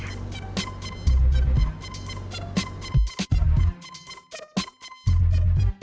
batik yang dibuat dan berkembang di kraton itu punya arti filosofi